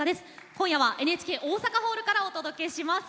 今夜はＮＨＫ大阪ホールからお届けします。